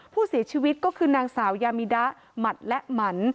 ผู้เสียชีวิตก็คือนางสาวยามิดะหมัดและหมั่น